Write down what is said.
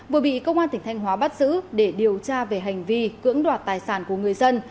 vừa bị công an tỉnh thanh hóa bắt giữ để điều tra về hành vi cưỡng đoạt tài sản của người dân